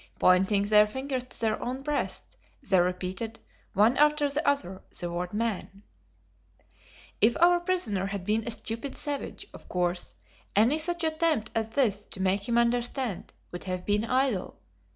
Pointing their fingers to their own breasts they repeated, one after the other, the word "man." If our prisoner had been a stupid savage, of course any such attempt as this to make him understand would have been idle.